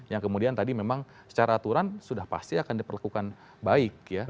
yang kemudian tadi memang secara aturan sudah pasti akan diperlakukan baik ya